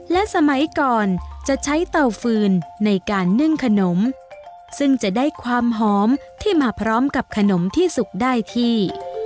และสมัยก่อนจะใช้เตาฟืนในการนึ่งขนมซึ่งจะได้ความหอมที่มาพร้อมกับขนมที่สุกได้ที่